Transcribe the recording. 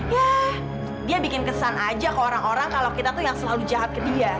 ya dia bikin kesan aja ke orang orang kalau kita tuh yang selalu jahat ke dia